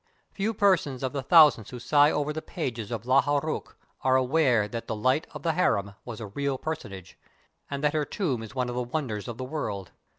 Few persons, of the thousands who sigh over the pages of "Lalla Rookh," are aware that the "Light of the Harem" was a real personage, and that her tomb is one of the wonders of the world.